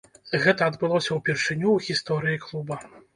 Гэта адбылося ўпершыню ў гісторыі клуба.